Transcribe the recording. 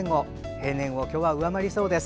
平年を今日は、上回りそうです。